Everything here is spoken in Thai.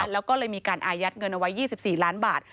แล้วก็เลยมีการอายัดเงินเอาไว้๒๔ล้านบาท